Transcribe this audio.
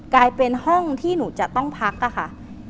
กลายเป็นห้องที่หนูจะต้องพักค่ะ